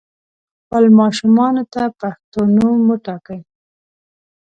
خپل ماشومانو ته پښتو نوم وټاکئ